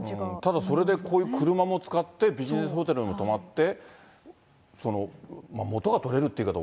ただそれでこういう車も使って、ビジネスホテルに泊まって、元が取れるっていう言い方、